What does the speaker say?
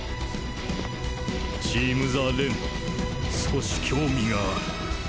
チームＴＨＥ少し興味がある。